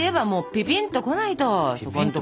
ピピンとこないと？